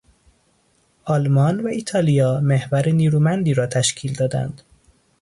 آلمان و ایتالیا محور نیرومندی را تشکیل دادند.